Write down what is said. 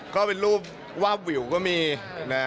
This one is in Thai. ก็เป็นรูปวาบวิวก็มีนะ